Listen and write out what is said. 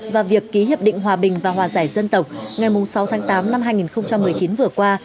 và việc ký hiệp định hòa bình và hòa giải dân tộc ngày sáu tháng tám năm hai nghìn một mươi chín vừa qua